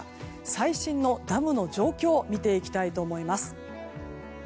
最新のダムの状況を見ていきたいと思います。